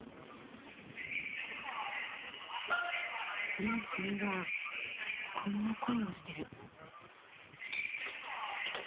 いい炭はこんな声をしてる。